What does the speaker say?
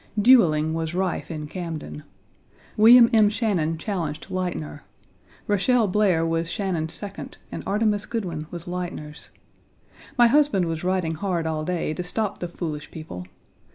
Dueling was rife in Camden. William M. Shannon challenged Leitner. Rochelle Blair was Shannon's second and Artemus Goodwyn was Leitner's. My husband was riding hard all day to stop the foolish people.